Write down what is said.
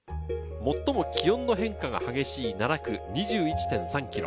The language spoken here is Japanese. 最も気温の変化が激しい７区、２１．３ｋｍ。